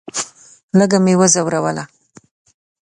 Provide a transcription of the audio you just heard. لږه مې وځوروله.